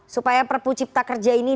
supaya perpucipta kerja ini